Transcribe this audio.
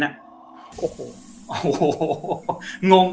โอ้โหยังงง